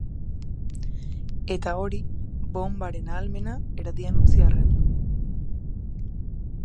Eta hori, bonbaren ahalmena erdian utzi arren.